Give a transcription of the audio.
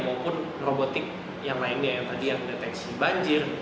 maupun robotik yang lainnya yang tadi yang deteksi banjir